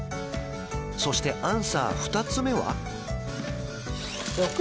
そしてアンサー二つ目は？